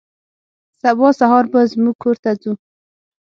سبا سهار به زموږ کور ته ځو.